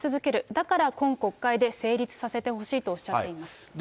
だから今国会で成立させてほしいとおっしゃっています。